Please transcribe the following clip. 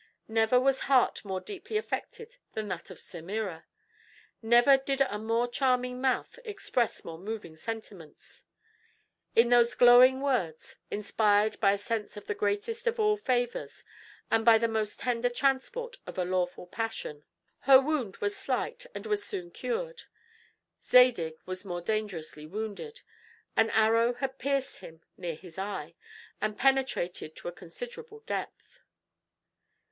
Never was heart more deeply affected than that of Semira. Never did a more charming mouth express more moving sentiments, in those glowing words inspired by a sense of the greatest of all favors, and by the most tender transports of a lawful passion. Her wound was slight and was soon cured. Zadig was more dangerously wounded; an arrow had pierced him near his eye, and penetrated to a considerable depth.